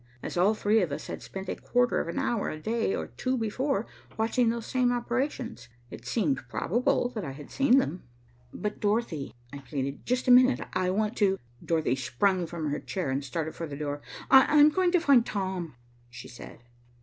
As all three of us had spent a quarter of an hour a day or two before, watching those same operations, it seemed probable that I had seen them. "But, Dorothy," I pleaded. "Just a minute, I want to " Dorothy sprung from her chair and started for the door. "I'm going to find Tom," she said.